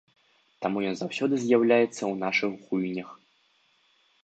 Таму ён заўсёды з'яўляецца ў нашых гульнях.